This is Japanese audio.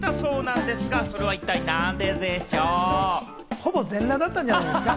ほぼ全裸だったんじゃないですか？